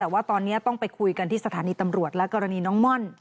แต่ว่าตอนนี้ต้องไปคุยกันที่สถานีตำรวจและกรณีน้องม่อน